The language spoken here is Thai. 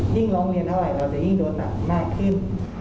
ร้องเรียนเท่าไหร่เราจะยิ่งโดนหนักมากขึ้น